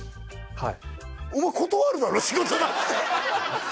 はい